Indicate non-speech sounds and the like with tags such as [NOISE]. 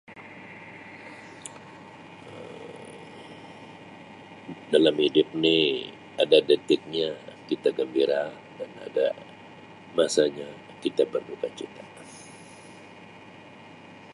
[NOISE] Um Dalam hidup ni ada detiknya kita gembira dan ada masanya kita berdukacita. [NOISE]